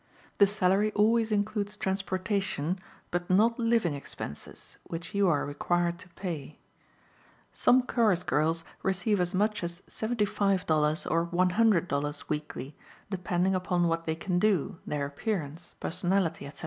The salary always includes transportation, but not living expenses, which you are required to pay. Some chorus girls receive as much as $75.00 or $100.00 weekly, depending upon what they can do, their appearance, personality, etc.